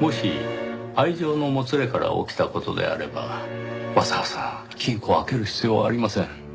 もし愛情のもつれから起きた事であればわざわざ金庫を開ける必要はありません。